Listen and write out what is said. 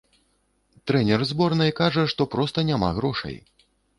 Трэнер зборнай кажа, што проста няма грошай.